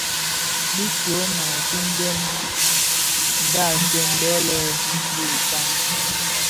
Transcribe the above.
Bi tyoma tidëň dhasèn bè lè dhi bitaň.